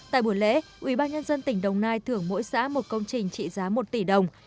tại buổi lễ ubnd tỉnh đồng nai thưởng mỗi xã một công trình trị giá một tỷ đồng